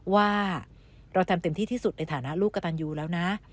ว่าเราทำเต็มที่ที่สุดในฐานะลูกกระตันยูแล้วนะ